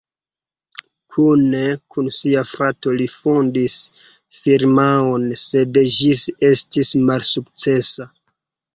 Kune kun sia frato li fondis firmaon, sed ĝis estis malsukcesa.